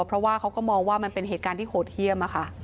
เพราะว่าเขาก็มองว่ามันเป็นเหตุการณ์ที่โหดเยี่ยม